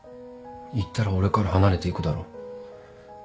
言ったら俺から離れていくだろ？